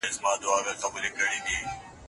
لګښتونه مې د عاید په اندازه برابر کړل.